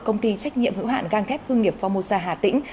công ty trách nhiệm hữu hạn gang thép hương nghiệp formosa hà tĩnh